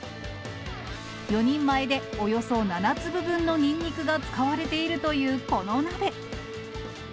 ４人前でおよそ７粒分のニンニクが使われているというこの鍋。